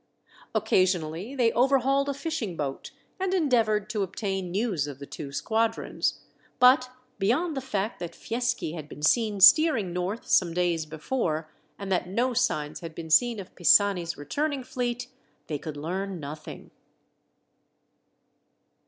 Occasionally they overhauled a fishing boat, and endeavoured to obtain news of the two squadrons; but beyond the fact that Fieschi had been seen steering north some days before, and that no signs had been seen of Pisani's returning fleet, they could learn nothing.